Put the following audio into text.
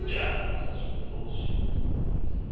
武蔵をどうしようとお思いですか。